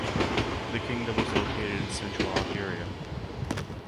The Kingdom was located in central Algeria.